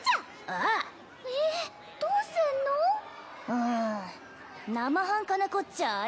うん生半可なこっちゃあ